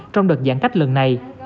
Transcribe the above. trong đợt giãn cách lần này